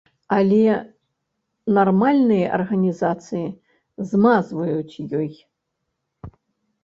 Але нармальныя арганізацыі змазваюць ёй.